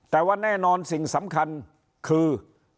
แต่ว่าแน่นอนสิ่งสำคัญคือ